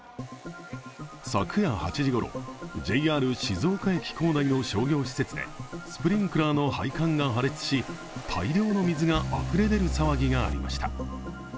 昨夜８時ごろ、ＪＲ静岡駅構内の商業施設でスプリンクラーの配管が破裂し大量の水があふれ出る騒ぎがありました。